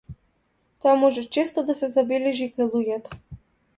Тоа може често да се забележи и кај луѓето.